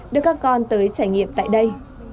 đưa các con tới trải nghiệm tại đây